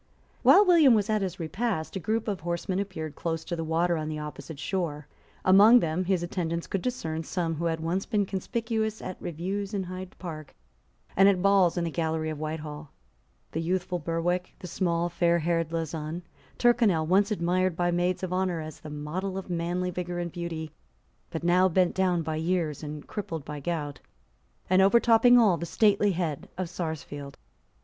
While William was at his repast, a group of horsemen appeared close to the water on the opposite shore. Among them his attendants could discern some who had once been conspicuous at reviews in Hyde Park and at balls in the gallery of Whitehall, the youthful Berwick, the small, fairhaired Lauzun, Tyrconnel, once admired by maids of honour as the model of manly vigour and beauty, but now bent down by years and crippled by gout, and, overtopping all, the stately head of Sarsfield.